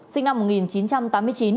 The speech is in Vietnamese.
sinh năm một nghìn chín trăm tám mươi chín